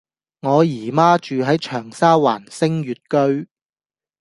我姨媽住喺長沙灣昇悅居